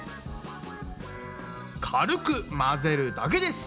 軽く混ぜるだけです。